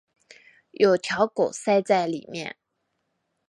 有条狗塞在里面